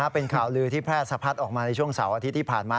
เป็นข่าวลือที่แพร่สะพัดออกมาในช่วงเสาร์อาทิตย์ที่ผ่านมา